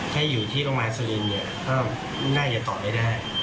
ถ้าอยู่ที่ลงมาซาลินเนี่ยก็น่าจะต่อไม่ได้